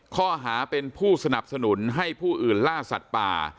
ข้อหาเป็นผู้สนับสนุนให้ผู้อื่นล่าสัตว์ป่า